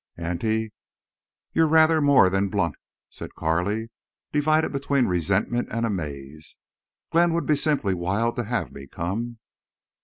'" "Auntie, you're—rather—more than blunt," said Carley, divided between resentment and amaze. "Glenn would be simply wild to have me come."